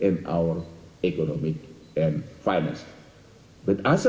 di dalam ekonomi dan finansi